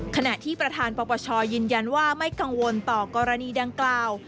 ขณะที่ประธานปปชยืนยันว่าไม่กังวลต่อกรณีดังกล่าว